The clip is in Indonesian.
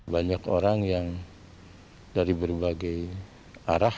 banyak orang yang dari berbagai arah